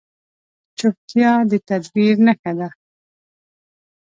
چپتیا، د تدبیر نښه ده.